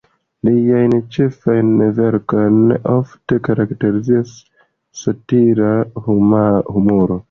Liajn ĉefajn verkojn ofte karakterizas satira humuro.